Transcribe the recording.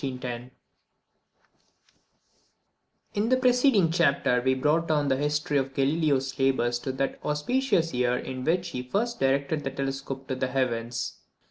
_ In the preceding chapter we have brought down the history of Galileo's labours to that auspicious year in which he first directed the telescope to the heavens.